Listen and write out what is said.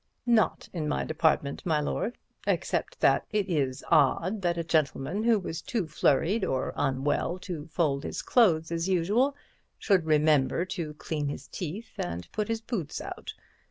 "Not in my department, my lord. Except that it is odd that a gentleman who was too flurried or unwell to fold his clothes as usual should remember to clean his teeth and put his boots out.